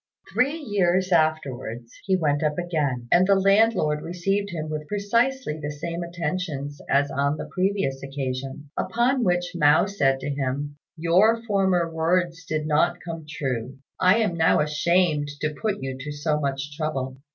Three years afterwards he went up again, and the landlord received him with precisely the same attentions as on the previous occasion; upon which Mao said to him, "Your former words did not come true; I am now ashamed to put you to so much trouble."